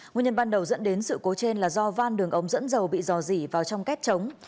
nguyên nhân ban đầu dẫn đến sự cố trên là do van đường ống dẫn dầu bị dò dỉ vào trong kết trống